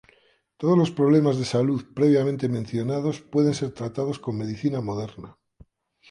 Todos los problemas de salud previamente mencionados pueden ser tratados con medicina moderna.